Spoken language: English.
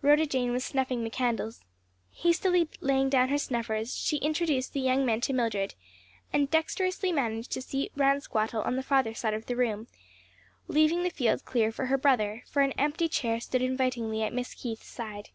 Rhoda Jane was snuffing the candles. Hastily laying down her snuffers, she introduced the young men to Mildred, and dexterously managed to seat Ransquattle on the farther side of the room, leaving the field clear for her brother; for an empty chair stood invitingly at Miss Keith's side.